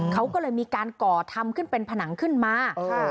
เขาก็เลยมีการก่อทำขึ้นเป็นผนังขึ้นมา